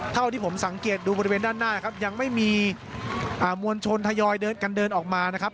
เท่าที่ผมสังเกตดูบริเวณด้านหน้าครับยังไม่มีมวลชนทยอยเดินกันเดินออกมานะครับ